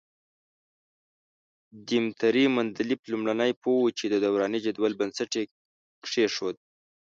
دیمتري مندلیف لومړنی پوه وو چې د دوراني جدول بنسټ یې کېښود.